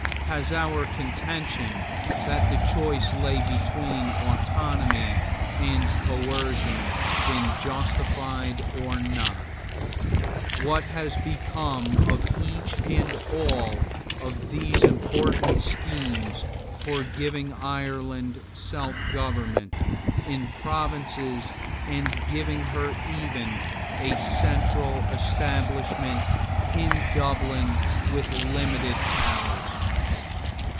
Has our contention that the choice lay between autonomy and coercion been justified or not? What has become of each and all of these important schemes for giving Ireland self government in provinces and giving her even a central establishment in Dublin with limited powers?